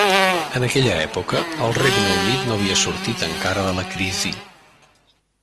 En aquella època, el Regne Unit no havia sortit encara de la crisi.